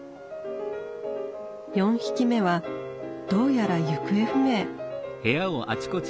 ４匹目はどうやら行方不明。